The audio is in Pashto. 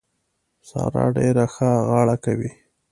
سارا ډېره ښه غاړه کوي.